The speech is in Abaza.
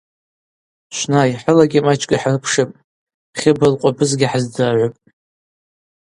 Швнай, хӏылагьи мачӏкӏ йхӏырпшыпӏ, Хьыбра лкъвабызгьи хӏаздзыргӏвыпӏ.